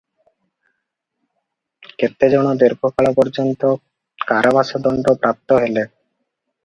କେତେଜଣ ଦୀର୍ଘକାଳ ପର୍ଯ୍ୟନ୍ତ କାରାବାସ ଦଣ୍ଡ ପ୍ରାପ୍ତ ହେଲେ ।